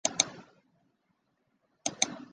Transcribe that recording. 承元元年九条兼实薨。